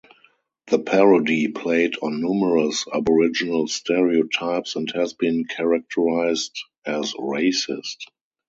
The parody played on numerous aboriginal stereotypes and has been characterized as racist.